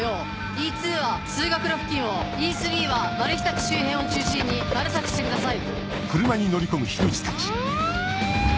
Ｅ２は通学路付近をＥ３はマルヒ宅周辺を中心にマル索してください。